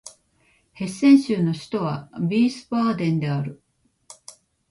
ヘッセン州の州都はヴィースバーデンである